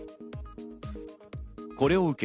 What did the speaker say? これを受け